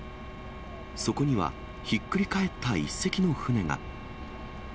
そこにはひっくり返った１隻の船が。